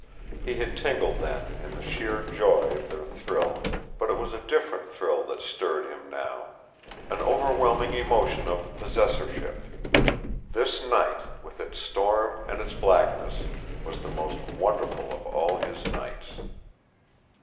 He had tingled then in the sheer joy of their thrill, but it was a different thrill that stirred him now an overwhelming emotion of possessorship. This night, with its storm and its blackness, was the most wonderful of all his nights.